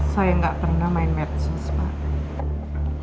saya nggak pernah main medsos pak